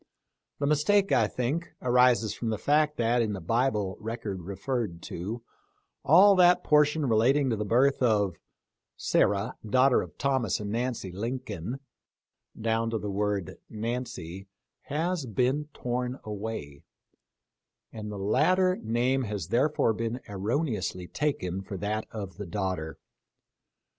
The mistake, I think, arises from the fact that, in the Bible record referred to, all that portion re lating to the birth of " Sarah, daughter of Thomas and Nancy Lin coln," down to the word Nancy has been torn away, and the latter name has therefore been erroneously taken for that of the daughter.